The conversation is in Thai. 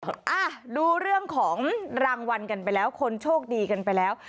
อ่ะดูเรื่องของรางวัลกันไปแล้วคนโชคดีกันไปแล้ว